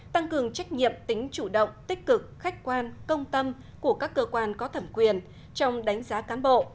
tăng cường trách nhiệm tính chủ động tích cực khách quan công tâm của các cơ quan có thẩm quyền trong đánh giá cán bộ